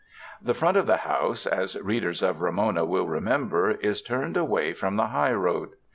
The front of the house, as readers of "Ramona" will remember, is turned away from the highroad.